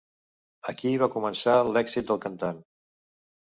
Aquí va començar l'èxit del cantant.